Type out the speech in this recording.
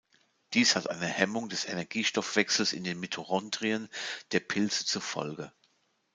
Dies hat eine Hemmung des Energiestoffwechsels in den Mitochondrien der Pilze zur Folge.